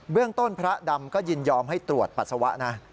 เรื่องต้นพระดำก็ยินยอมให้ตรวจปัสสาวะนะ